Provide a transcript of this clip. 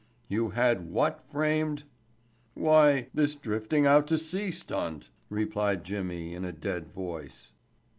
"You had what framed?" "Why—this drifting out to sea stunt," replied Jimmy in a dead voice.